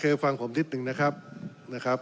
โอเคฟังผมนิดนึงนะครับ